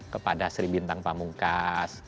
kepada sri bintang pamungkas